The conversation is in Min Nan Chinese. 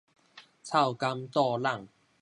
臭柑 𪐞 籠